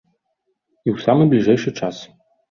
І ў самы бліжэйшы час.